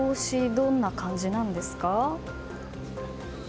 どんな感じなんですか？